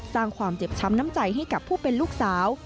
ความเจ็บช้ำน้ำใจให้กับผู้เป็นลูกสาว